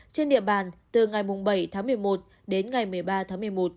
trên địa bàn từ ngày bảy tháng một mươi một đến ngày một mươi ba tháng một mươi một